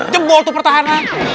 jempol tuh pertahanan